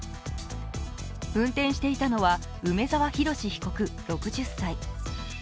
運転していたのは梅沢洋被告６０歳。